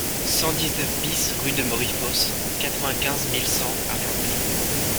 cent dix-neuf BIS rue de Morifosse, quatre-vingt-quinze mille cent Argenteuil